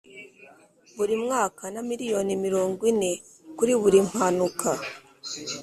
buri mwaka na miriyoni mirongwine kuri buri mpanuka